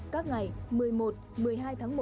các ngày một mươi một một mươi hai tháng một